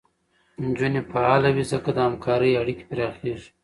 نجونې فعاله وي، ځکه د همکارۍ اړیکې پراخېږي.